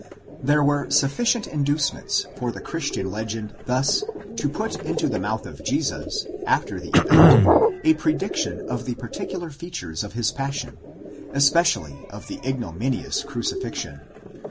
There were sufficient inducements for the Christian legend thus to put into the mouth of Jesus, after the event, a prediction of the particular features of his passion, especially of the ignominious crucifixion.